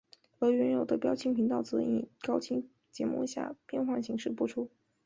而原有的标清频道则以高清节目下变换方式播出。